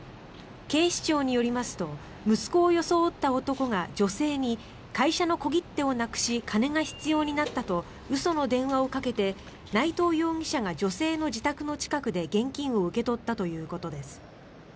警視庁によりますと息子を装った男が女性に会社の小切手をなくし金が必要になったと嘘の電話をかけて内藤容疑者が女性の自宅の近くで現金を受け取ったということです。